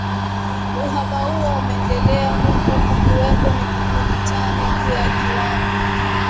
uhaba huo umeendelea huku kukiwepo mivutano juu ya kiwango